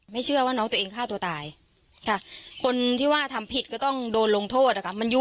เชื่อว่าน้องตัวเองฆ่าตัวตายค่ะคนที่ว่าทำผิดก็ต้องโดนลงโทษนะคะ